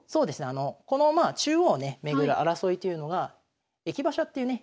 あのこのまあ中央をね巡る争いというのが「駅馬車」っていうね